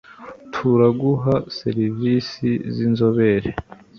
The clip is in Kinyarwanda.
Turaguha serivisi zinzobere